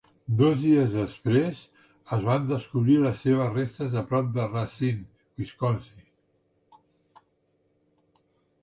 Dos dies després, es van descobrir les seves restes a prop de Racine, Wisconsin.